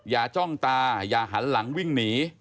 จ้องตาอย่าหันหลังวิ่งหนี